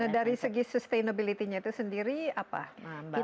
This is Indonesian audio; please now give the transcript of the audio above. dari segi sustainability nya itu sendiri apa mbak